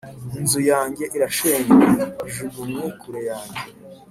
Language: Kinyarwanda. Inzu yanjye irashenywe, ijugunywe kure yanjye,